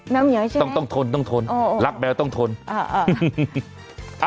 แมวเมียใช่ไหมต้องทนต้องทนรักแมวต้องทนอ่ะอ่ะ